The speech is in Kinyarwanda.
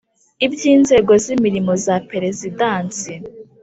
ibyi inzego z imirimo za Perezidansi